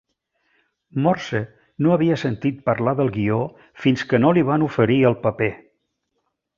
Morse no havia sentit parlar del guió fins que no li van oferir el paper.